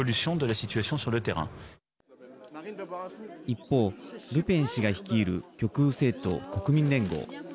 一方、ルペン氏が率いる極右政党、国民連合。